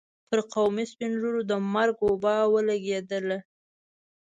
پر قومي سپين ږيرو د مرګ وبا ولګېدله.